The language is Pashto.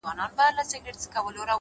وخت د ژمنو صداقت ښکاره کوي,